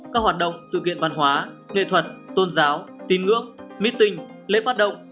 các hoạt động sự kiện văn hóa nghệ thuật tôn giáo tin ngưỡng meeting lễ phát động